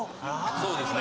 そうですね。